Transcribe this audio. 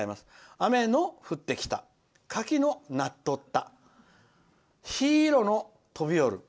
雨の降ってきた、柿のなっとったひいろのとびよる。